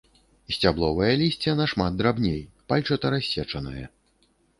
Сцябловае лісце нашмат драбней, пальчатарассечанае.